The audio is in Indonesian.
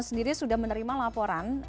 sendiri sudah menerima laporan